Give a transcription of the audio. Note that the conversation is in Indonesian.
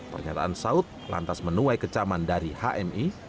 pernyataan saud lantas menuai kecaman dari hmi